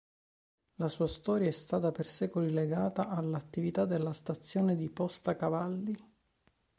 La sua storia è stata per secoli legata all'attività della stazione di posta cavalli.